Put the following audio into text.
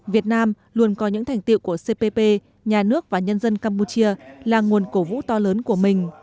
việt nam luôn có những thành tiệu của cpp nhà nước và nhân dân campuchia là nguồn cổ vũ to lớn của mình